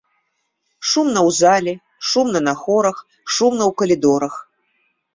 Шумна ў зале, шумна на хорах, шумна ў калідорах.